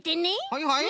はいはい。